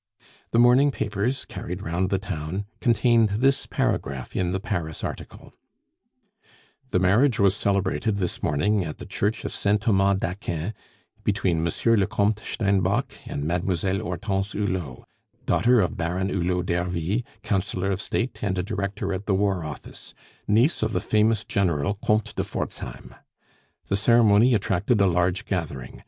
The morning papers, carried round the town, contained this paragraph in the Paris article: "The marriage was celebrated this morning, at the Church of Saint Thomas d'Aquin, between Monsieur le Comte Steinbock and Mademoiselle Hortense Hulot, daughter of Baron Hulot d'Ervy, Councillor of State, and a Director at the War Office; niece of the famous General Comte de Forzheim. The ceremony attracted a large gathering.